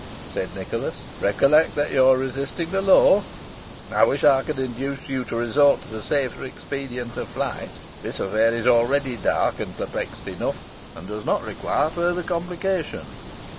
said Nicholas. "Recollect that you are resisting the law. I wish I could induce you to resort to the safer expedient of flight. This affair is already dark and perplexed enough, and does not require further complication.